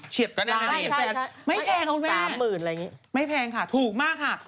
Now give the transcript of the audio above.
เฉียบกระดานอีกแสนไม่แพงค่ะคุณแม่ไม่แพงค่ะถูกมากค่ะ